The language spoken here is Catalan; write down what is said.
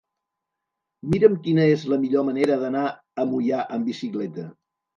Mira'm quina és la millor manera d'anar a Moià amb bicicleta.